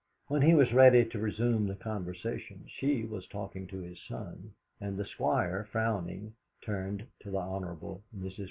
When he was ready to resume the conversation she was talking to his son, and the Squire, frowning, turned to the Hon. Mrs.